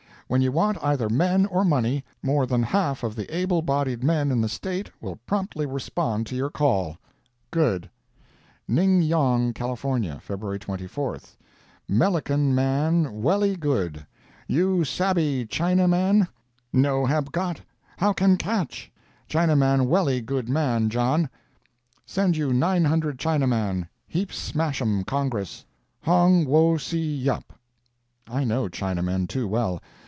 When you want either men or money, more than half of the able bodied men in the State will promptly respond to your call. Good! Ning Yong, Cal., Feb. 24. Mellican man welly good. You sabby Chinaman? No hab got, how can catch? Chinaman welly good man, John. Send you nine hundred Chinaman, heap smach 'um Congress. Hong Wo See Yup. I know Chinamen too well.